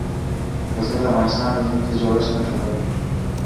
غزني د افغانستان د ځمکې د جوړښت نښه ده.